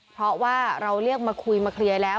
เพราะว่าเราเรียกมาคุยมาเคลียร์แล้ว